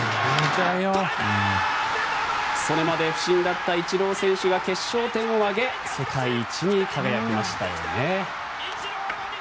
それまで不振だったイチロー選手が決勝点を挙げ世界一に輝きましたよね。